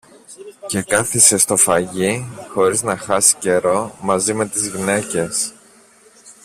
Και κάθισε στο φαγί, χωρίς να χάσει καιρό, μαζί με τις γυναίκες